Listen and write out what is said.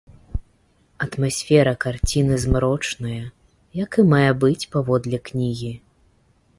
Атмасфера карціны змрочная, як і мае быць паводле кнігі.